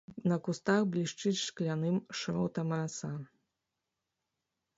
На кустах блішчыць шкляным шротам раса.